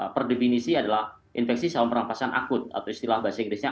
per definisi adalah infeksi saluran pernafasan akut atau istilah bahasa inggrisnya